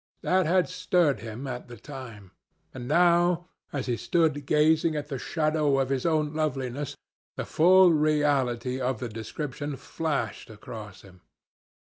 That had stirred him at the time, and now, as he stood gazing at the shadow of his own loveliness, the full reality of the description flashed across him.